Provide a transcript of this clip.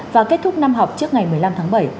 và kết thúc năm học trước ngày một mươi năm tháng bảy